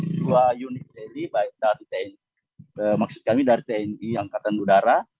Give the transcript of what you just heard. dua unit tni baik dari tni maksud kami dari tni angkatan udara